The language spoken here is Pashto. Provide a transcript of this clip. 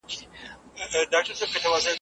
د حقایقو پلټنه په سمه توګه وکړي